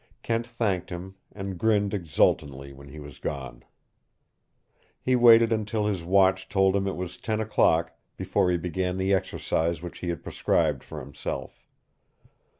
Kent thanked him, and grinned exultantly when he was gone. He waited until his watch told him it was ten o'clock before he began the exercise which he had prescribed for himself.